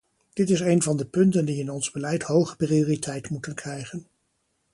Dit is een van de punten die in ons beleid hoge prioriteit moeten krijgen.